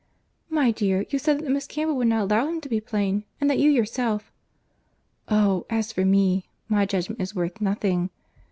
"My dear, you said that Miss Campbell would not allow him to be plain, and that you yourself—" "Oh! as for me, my judgment is worth nothing.